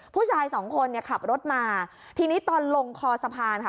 ผู้ชายสองคนเนี่ยขับรถมาทีนี้ตอนลงคอสะพานค่ะ